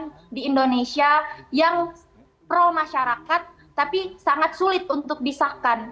bukan di indonesia yang pro masyarakat tapi sangat sulit untuk disahkan